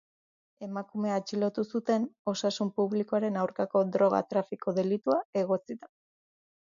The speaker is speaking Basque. Emakumea atxilotu zuten osasun publikoaren aurkako droga-trafiko delitua egotzita.